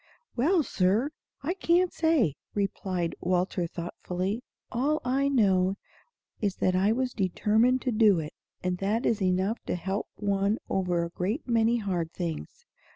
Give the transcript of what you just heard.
"Well, Sir, I can't say," replied Walter, thoughtfully. "All I know is that I was determined to do it, and that is enough to help one over a great many hard things.